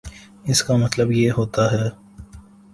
اس کا مطلب یہ ہوتا ہے